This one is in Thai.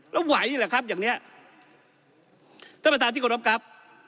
แล้วไหวเหรอครับอย่างเนี้ยท่านประธานที่กรบครับ